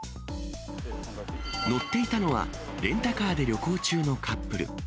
乗っていたのは、レンタカーで旅行中のカップル。